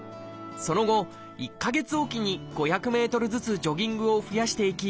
その後１か月置きに５００メートルずつジョギングを増やしていき